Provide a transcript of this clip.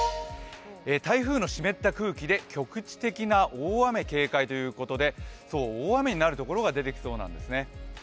台風の湿った空気で局地的な大雨警戒ということで大雨になる所が出てきそうなんですね。